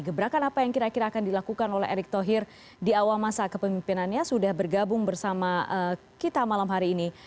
gebrakan apa yang kira kira akan dilakukan oleh erick thohir di awal masa kepemimpinannya sudah bergabung bersama kita malam hari ini